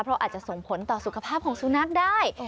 เพราะอาจจะส่งผลต่อสุขภาพของสุนัขได้